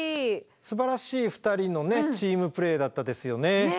すばらしい２人のチームプレーだったですよね。